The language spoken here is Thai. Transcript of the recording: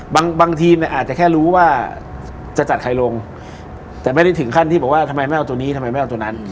บางทีมเนี่ยอาจจะแค่รู้ว่าจะจัดใครลงแต่ไม่ได้ถึงขั้นที่บอกว่าทำไมไม่เอาตัวนี้ทำไมไม่เอาตัวนั้น